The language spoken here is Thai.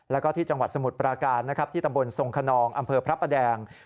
แล้วก็ที่จังหวัดสมุทรปราการนะครับที่ตำบลทรงขนองอำเภอพระประแดง